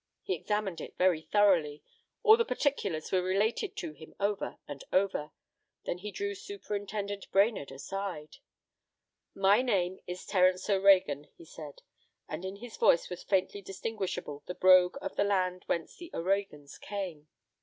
He examined it very thoroughly. All the particulars were related to him over and over. Then he drew Superintendent Brainerd aside. "My name is Terence O'Reagan," he said, and in his voice was faintly distinguishable the brogue of the land whence the O'Reagans came.